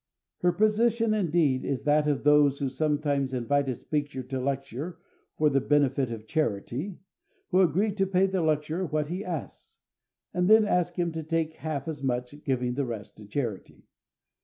Her position, indeed, is that of those who sometimes invite a speaker to lecture for the benefit of a charity, who agree to pay the lecturer what he asks, and then ask him to take half as much, giving the rest to the charity.